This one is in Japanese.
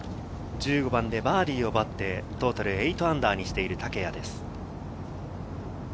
１５番でバーディーを奪ってトータルー８にしている竹谷です。